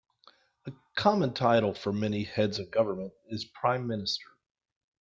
A common title for many heads of government is prime minister.